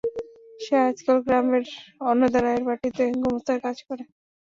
সে আজকাল গ্রামের অন্নদা রায়ের বাটীতে গোমস্তার কাজ করে।